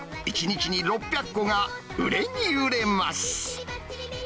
１日に６００個が売れに売れます。